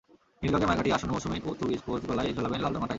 নীল রঙের মায়া কাটিয়ে আসন্ন মৌসুমেই পর্তুগিজ কোচ গলায় ঝোলাবেন লালরঙা টাই।